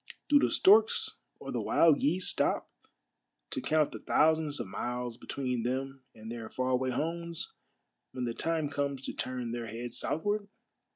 Do the storks or the wild geese stop to count the thousands of miles between A MARVELLOUS UNDERGROUND JOURNEY 13 them and their far away homes when the time comes to turn their heads southward?